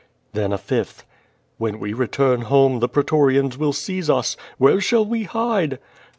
^' Then a fifth: "Wlien we return home the prctorians will seize us. Where shall we hide?"